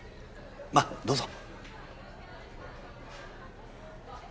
まっどうぞ。